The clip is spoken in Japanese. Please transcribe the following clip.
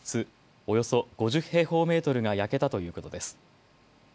およそ５０平方メートルが焼けたということです。